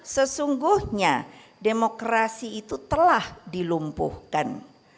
sesungguhnya demokrasi itu telah dilumpuhkan